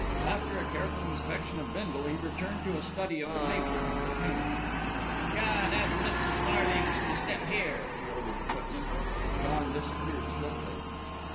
After a careful inspection of Bindle, he returned to a study of the paper in his hand. "John, ask Mrs. Marlings to step here," he ordered the footman. John disappeared swiftly.